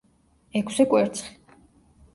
ექვსი კვერცხი.